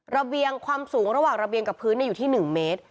ระเบียงความสูงระหว่างระเบียงกับพื้นอยู่ที่๑เมตร